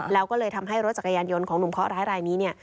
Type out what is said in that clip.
แล้วก็เลยทำให้รถจักรยานยนต์ของหนุ่มเคาะร้ายรายนี้เนี่ย